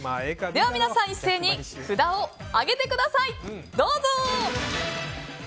では皆さん一斉に札を上げてください！